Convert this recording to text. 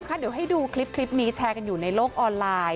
เดี๋ยวให้ดูคลิปนี้แชร์กันอยู่ในโลกออนไลน์